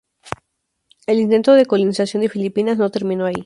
El intento de colonización de Filipinas no terminó ahí.